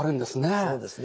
そうですね。